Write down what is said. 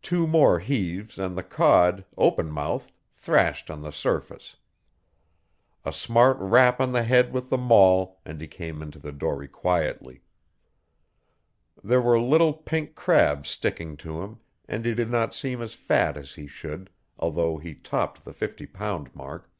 Two more heaves and the cod, open mouthed, thrashed on the surface. A smart rap on the head with the maul and he came into the dory quietly. There were little pink crabs sticking to him and he did not seem as fat as he should, although he topped the fifty pound mark.